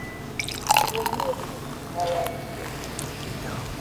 گوێم لێ بوو هاوارت کرد.